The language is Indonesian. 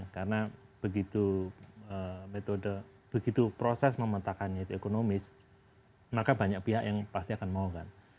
karena begitu proses memetakannya itu ekonomis maka banyak pihak yang pasti akan mau kan